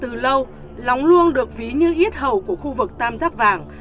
từ lâu lóng luông được ví như ít hầu của khu vực tam giác vàng